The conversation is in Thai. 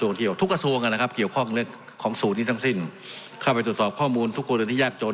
หรือลายอังกฤษสูรแถวทุกกระชั่วที่เกี่ยวกับเรียนความเหนือของสูตรแหล่งสิ้น